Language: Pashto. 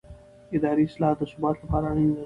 اداري اصلاح د ثبات لپاره اړینه ده